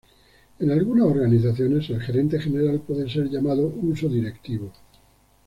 En algunas organizaciones, el gerente general puede ser llamado Uso Directivo